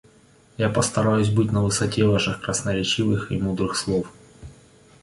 Я постараюсь быть на высоте ваших красноречивых и мудрых слов.